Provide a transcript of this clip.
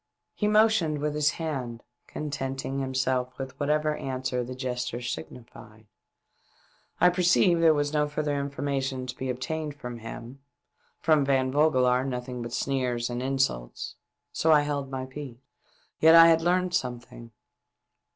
He motioned with his hand, contenting himself with whatever answer the gesture signified. I perceived there was no further information to be obtained from him — from Van Vogelaar nothing but sneers and insults — and so held my peace. Yet I had learnt something.